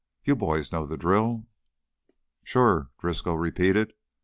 You boys know the drill?" "Sure," Driscoll repeated.